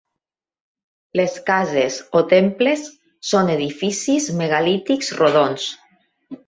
Les cases o temples són edificis megalítics rodons.